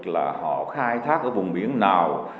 là họ khai thác ở vùng biển nào